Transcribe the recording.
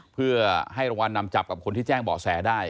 เพื่อให้รางวัลนำจับกับคนที่แจ้งเบาะแสได้